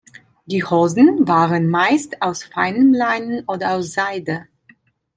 Die Hosen waren meist aus feinem Leinen oder aus Seide.